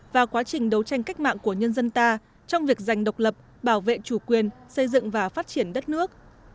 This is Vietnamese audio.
và quá trình đấu tranh cách mạng của nhân dân ta trong việc giành độc lập bảo vệ chủ quyền xây dựng và phát triển đất nước